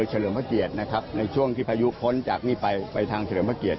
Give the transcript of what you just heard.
เลิมพระเกียรตินะครับในช่วงที่พายุพ้นจากนี้ไปไปทางเฉลิมพระเกียรติ